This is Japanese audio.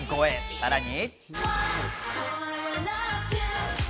さらに。